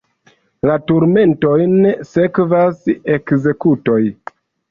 La turmentojn sekvas ekzekutoj.